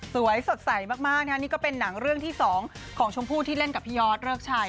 สวยสดใสมากนี่ก็เป็นหนังเรื่องที่๒ของชมพู่ที่เล่นกับพี่ยอดเริกชัย